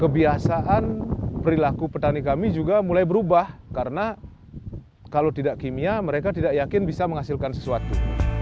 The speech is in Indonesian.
kebiasaan perilaku petani kami juga mulai berubah karena kalau tidak kimia mereka tidak yakin bisa menghasilkan sesuatu